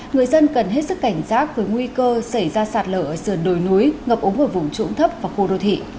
người dân cần hết sức cảnh giác với nguy cơ xảy ra sạt lở ở sườn đồi núi ngập ống ở vùng trũng thấp và khu đô thị